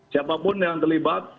siapapun yang terlibat